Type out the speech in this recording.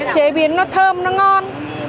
chế biến nó thơm nó ngon